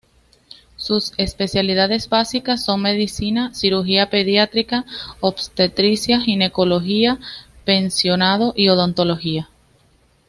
Sus especialidades básicas son Medicina, Cirugía, Pediatría, Obstetricia y Ginecología, Pensionado y Odontología.